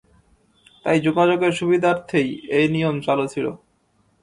তাই যোগাযোগের সুবিধার্থেই এ নিয়ম চালু ছিল।